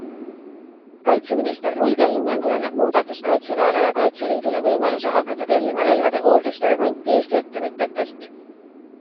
Kaitseminister Luige hinnangul annab muudatus kaitseväele ja Kaitseliidule võimaluse hakata tellima relvade hooldust ja remonti Eesti ettevõtjatelt.